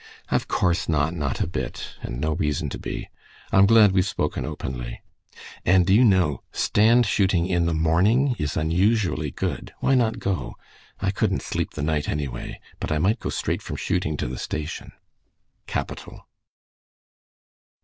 "Of course not; not a bit, and no reason to be. I'm glad we've spoken openly. And do you know, stand shooting in the morning is unusually good—why not go? I couldn't sleep the night anyway, but I might go straight from shooting to the station." "Capital."